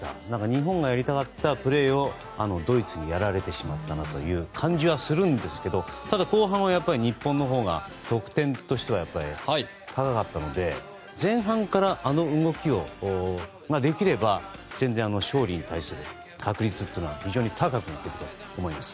日本がやりたかったプレーをドイツにやられてしまったなという感じはするんですがただ、後半は日本のほうが得点としては高かったので前半からあの動きができれば全然、勝利に対する確率は高くなると思います。